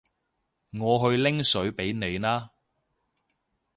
我去拎水畀你啦